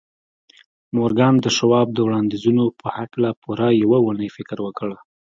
مورګان د شواب د وړانديزونو په هکله پوره يوه اونۍ فکر وکړ.